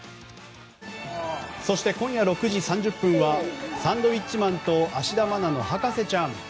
そして、今夜６時３０分は「サンドウィッチマン＆芦田愛菜の博士ちゃん」。